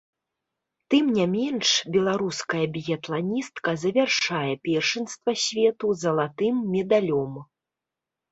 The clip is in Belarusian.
Тым не менш, беларуская біятланістка завяршае першынства свету залатым медалём.